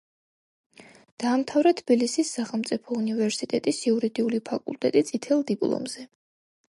დაამთავრა თბილისის სახელმწიფო უნივერსიტეტის იურიდიული ფაკულტეტი წითელ დიპლომზე.